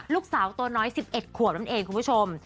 ลูกสาวตัวน้อย๑๑ขวบนั่นเองคุณผู้ชม